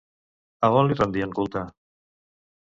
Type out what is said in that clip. A on li rendien culte?